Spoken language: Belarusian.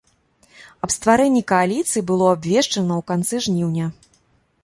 Аб стварэнні кааліцыі было абвешчана ў канцы жніўня.